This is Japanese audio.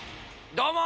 どうも。